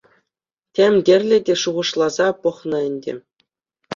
Тем тӗрлӗ те шухӑшласа пӑхнӑ ӗнтӗ.